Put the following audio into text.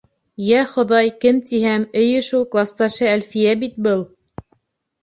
Йә, Хоҙай, кем тиһәм, эйе, шул класташы Әлфиә бит был.